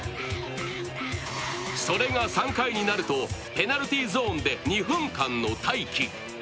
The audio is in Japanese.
それが３回になるとペナルティーゾーンで２分間の待機。